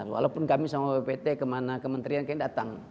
walaupun kami sama bpt kemana kementerian kami datang